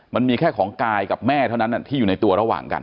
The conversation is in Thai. มันมีแค่ของกายกับแม่เท่านั้นที่อยู่ในตัวระหว่างกัน